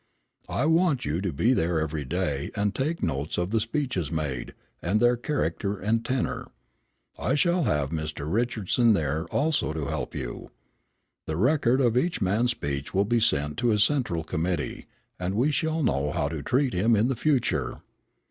I want you to be there every day and take notes of the speeches made, and their character and tenor. I shall have Mr. Richardson there also to help you. The record of each man's speech will be sent to his central committee, and we shall know how to treat him in the future.